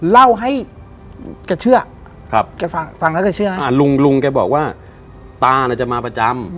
เล่าให้แกเชื่อแกฟังฟังแล้วแกเชื่อลุงลุงแกบอกว่าตาเนี่ยจะมาประจำ